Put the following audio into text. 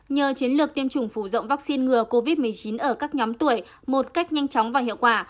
nhờ chiến lược tiêm chủng phủ rộng vaccine ngừa covid một mươi chín ở các nhóm tuổi một cách nhanh chóng và hiệu quả